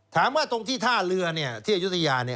ถามว่าตรงที่ท่าเรือที่อายุทยา